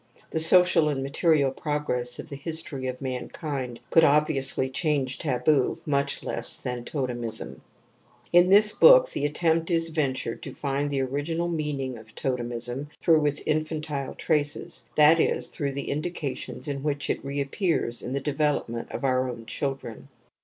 The social and material progress of the history of mankind could obviously change taboo much less than totemism. In this book the attempt is ventured to/find the original meaning of totemism through its infantile traces, that is, through the indications in which it reappears in the development of our own children.